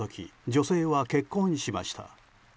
女性は結婚しました。